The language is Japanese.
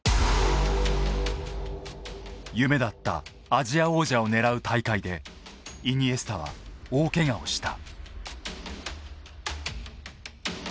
夢だったアジア王者を狙う大会でイニエスタは大けがをした。